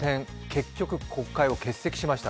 結局国会を欠席しました。